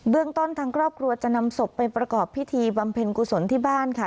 เรื่องต้นทางครอบครัวจะนำศพไปประกอบพิธีบำเพ็ญกุศลที่บ้านค่ะ